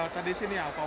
tadi sih ini alfa one